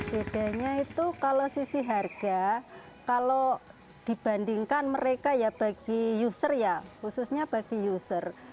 bedanya itu kalau sisi harga kalau dibandingkan mereka ya bagi user ya khususnya bagi user